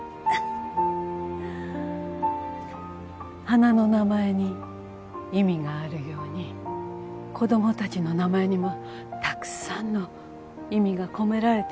花の名前に意味があるように子どもたちの名前にもたくさんの意味が込められているでしょう。